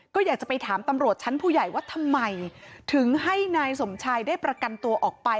ก็อยากจะไปถามตำรวจชั้นผู้ใหญ่ว่าทำไมถึงให้นายสมชายได้ประกันตัวออกไป